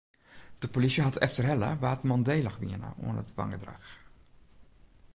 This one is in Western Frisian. De polysje hat efterhelle wa't mandélich wiene oan it wangedrach.